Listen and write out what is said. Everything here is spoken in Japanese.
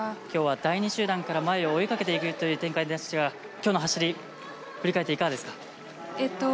きょうは第２集団から前を追いかけていくという展開でしたがきょうの走り振り返っていかがですか？